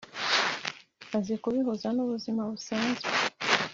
azi kubihuza n’ubuzima busanzwe;